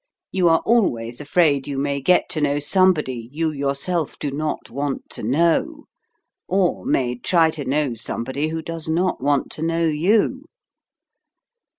You are always afraid you may get to know somebody you yourself do not want to know, or may try to know somebody who does not want to know you.